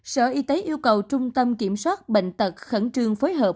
sở y tế yêu cầu trung tâm kiểm soát bệnh tật khẩn trương phối hợp